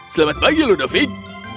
selamat pagi ludovic